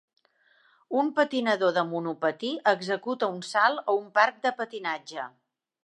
Un patinador de monopatí executa un salt a un parc de patinatge.